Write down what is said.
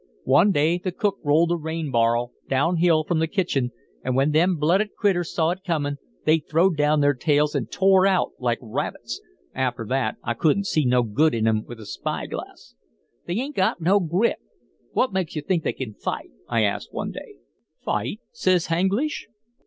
One day the cook rolled a rain bar'l down hill from the kitchen, and when them blooded critters saw it comin' they throwed down their tails and tore out like rabbits. After that I couldn't see no good in 'em with a spy glass. "'They 'ain't got no grit. What makes you think they can fight?' I asked one day. "'Fight?' says H'Anglish.